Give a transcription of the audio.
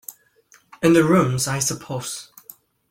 In the rooms, I suppose?